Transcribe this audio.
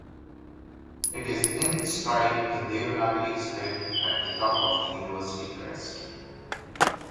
It is inscribed in Devanagari script at the top of the university crest.